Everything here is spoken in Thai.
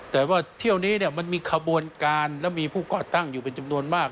แต่ว่าเที่ยวนี้มันมีขบวนการและมีผู้ก่อตั้งอยู่เป็นจำนวนมาก